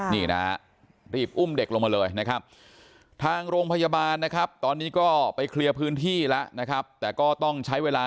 นี่นะรีบอุ้มเด็กลงมาเลยนะครับทางโรงพยาบาลนะครับตอนนี้ก็ไปเคลียร์พื้นที่แล้วนะครับแต่ก็ต้องใช้เวลา